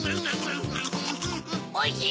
おいしい！